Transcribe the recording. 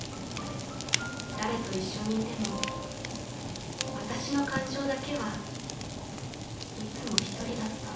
誰と一緒にいても私の感情だけはいつも１人だった